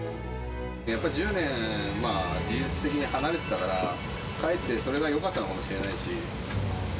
やっぱり１０年、事実的に離れてたから、かえってそれがよかったのかもしれないし。